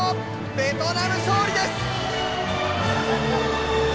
ベトナム勝利です！